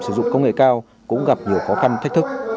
sử dụng công nghệ cao cũng gặp nhiều khó khăn thách thức